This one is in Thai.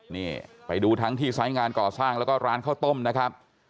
นี่ไปดูทั้งที่ไซส์งานก่อสร้างแล้วก็ร้านข้าวต้มนะครับ